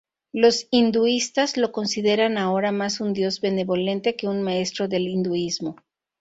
Los hinduistas lo consideran ahora más un dios benevolente que un maestro del hinduismo.